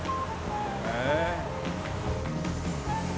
へえ。